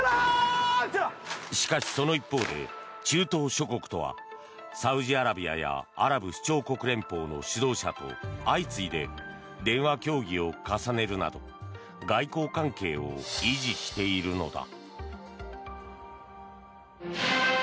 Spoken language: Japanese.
しかし、その一方で中東諸国とはサウジアラビアやアラブ首長国連邦の指導者と相次いで電話協議を重ねるなど外交関係を維持しているのだ。